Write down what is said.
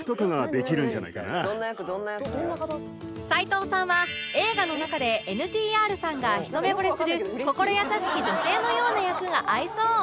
齊藤さんは映画の中で ＮＴＲ さんがひと目ぼれする心優しき女性のような役が合いそうとの事